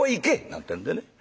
なんてんでね。